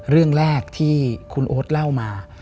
เรื่องแรกที่คุณโอ๊ตเล่ามา